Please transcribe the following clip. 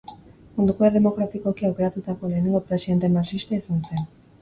Munduko demokratikoki aukeratutako lehenengo presidente marxista izan zen.